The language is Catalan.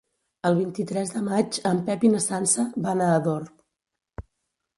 El vint-i-tres de maig en Pep i na Sança van a Ador.